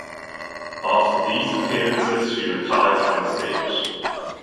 After these appearances she retired from the stage.